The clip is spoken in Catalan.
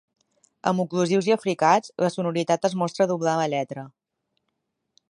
Amb oclusius i africats, la sonoritat es mostra doblant la lletra.